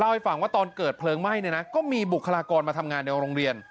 ให้ฟังว่าตอนเกิดเพลิงไหม้เนี่ยนะก็มีบุคลากรมาทำงานในโรงเรียน